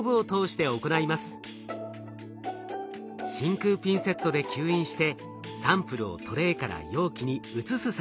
真空ピンセットで吸引してサンプルをトレーから容器に移す作業。